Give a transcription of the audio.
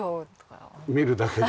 見るだけで？